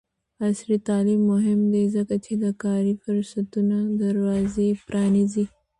عصري تعلیم مهم دی ځکه چې د کاري فرصتونو دروازې پرانیزي.